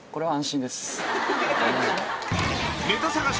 はい。